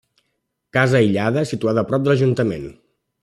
Casa aïllada situada a prop de l'ajuntament.